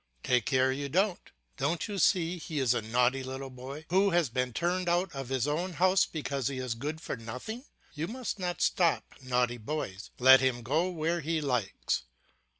"Take care you don't. Don't you see he is a naughty little boy, who has been turned out of his own house because he is good for nothing? You must not stop naughty boys; let him go where he likes."